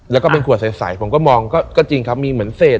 แล้วก็เป็นขวดใสผมก็มองก็จริงครับมีเหมือนเศษ